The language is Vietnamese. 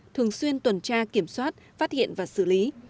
thường xuyên tuần tra kiểm soát phát hiện và xử lý